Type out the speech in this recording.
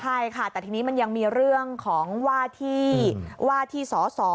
ใช่ค่ะแต่ทีนี้มันยังมีเรื่องของว่าที่ว่าที่สส